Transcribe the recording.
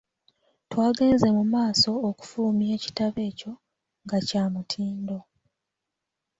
Twagenze mu maaso okufulumya ekitabo ekyo nga kya mutindo.